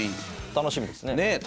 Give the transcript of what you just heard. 楽しみですね。